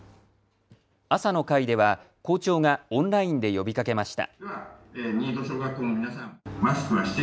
朝の会では校長がオンラインで呼びかけました。